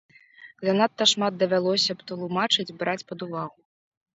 Занадта шмат давялося б тлумачыць, браць пад увагу.